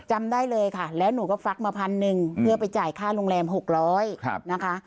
จำได้เลยค่ะแล้วหนูก็ฟักมาพันหนึ่งเพื่อไปจ่ายค่าโรงแรม๖๐๐นะคะ